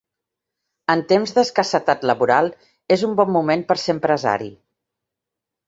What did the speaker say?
En temps d'escassetat laboral, és un bon moment per ser empresari.